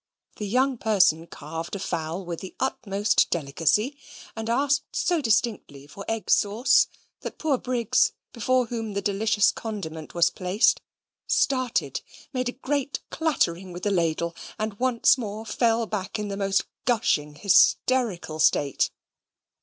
The young person carved a fowl with the utmost delicacy, and asked so distinctly for egg sauce, that poor Briggs, before whom that delicious condiment was placed, started, made a great clattering with the ladle, and once more fell back in the most gushing hysterical state.